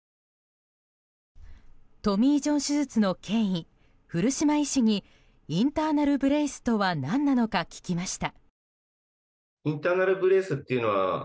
トミー・ジョン手術の権威古島医師にインターナル・ブレイスとは何なのか聞きました。